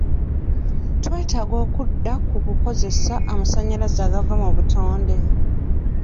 Twetaaga okudda ku kukozesa amasanyalaze agava mu butonde.